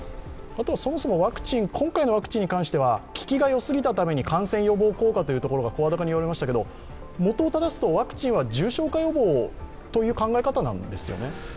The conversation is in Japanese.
そもそも今回のワクチンについては効きが良すぎたために感染予防効果が声高に言われましたけれども、もとをただすと、ワクチンは重症化予防という考え方なんですよね？